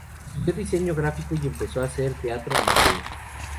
Estudió diseño gráfico y empezó a hacer teatro amateur.